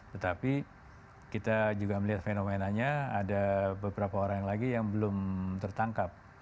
tetapi kita juga melihat fenomenanya ada beberapa orang lagi yang belum tertangkap